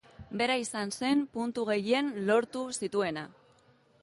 Bera izan zen puntu gehien lortu zituena.